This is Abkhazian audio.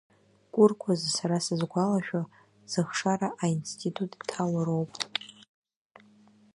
Кәыркәазы сара сызгәалашәо зыхшара аинститут иҭало роуп!